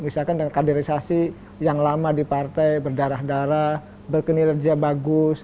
misalkan dengan kaderisasi yang lama di partai berdarah darah berkenierja bagus